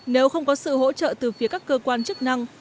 nếu không có sự hỗ trợ từ phía các cơ quan chức năng